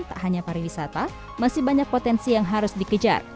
tak hanya pariwisata masih banyak potensi yang harus dikejar